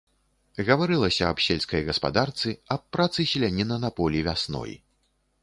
Гаварылася аб сельскай гаспадарцы, аб працы селяніна на полі вясной.